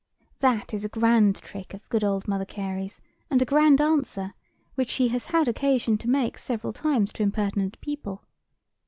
That is a grand trick of good old Mother Carey's, and a grand answer, which she has had occasion to make several times to impertinent people.